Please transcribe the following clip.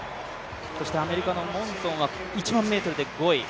アメリカの選手は１００００ｍで５位。